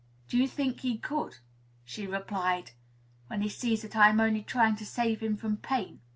"Do you think he could," she replied, "when he sees that I am only trying to save him from pain?"